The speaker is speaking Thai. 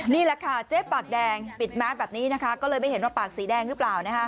นี่แหละค่ะเจ๊ปากแดงปิดแมสแบบนี้นะคะก็เลยไม่เห็นว่าปากสีแดงหรือเปล่านะคะ